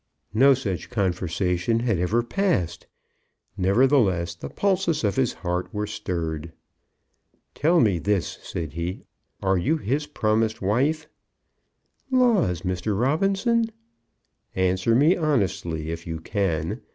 No such conversation had ever passed. Nevertheless, the pulses of his heart were stirred. "Tell me this," said he. "Are you his promised wife?" "Laws, Mr. Robinson!" "Answer me honestly, if you can.